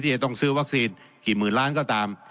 จะต้องซื้อวัคซีนกี่หมื่นล้านก็ตาม